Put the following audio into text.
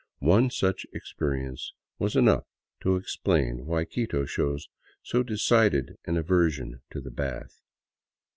One such experience was enough to explain why Quito shows so decided an aversion to the bath.